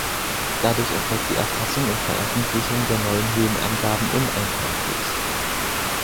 Dadurch erfolgt die Erfassung und Veröffentlichung der neuen Höhenangaben uneinheitlich.